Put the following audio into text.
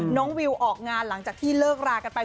วิวออกงานหลังจากที่เลิกรากันไป